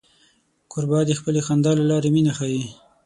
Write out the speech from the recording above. کوربه د خپلې خندا له لارې مینه ښيي.